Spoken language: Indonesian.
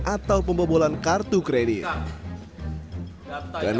atau pembebolan kartu kredit